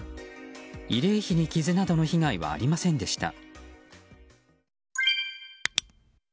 慰霊碑に傷などの被害はありませんでした。